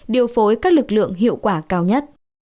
điều phối các lực lượng hiệu quả cao nhất